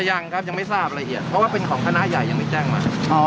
ยังครับยังไม่ทราบละเอียดเพราะว่าเป็นของคณะใหญ่ยังไม่แจ้งมา